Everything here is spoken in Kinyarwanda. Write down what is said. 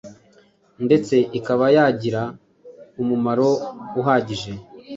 ndetse ikaba yagira umumuro uhagije